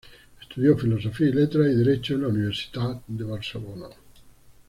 Estudió Filosofía y Letras y Derecho en la Universitat de Barcelona.